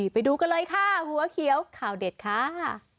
ไปดูกันเลยค่ะหัวเขียวข่าวเด็ดค่ะ